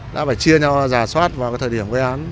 đã phải chia nhau giả soát vào cái thời điểm gây án